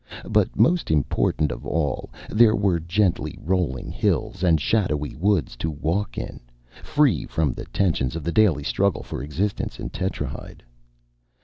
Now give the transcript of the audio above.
But most important of all, there were gently rolling hills and shadowy woods to walk in, free from the tensions of the daily struggle for existence in Tetrahyde.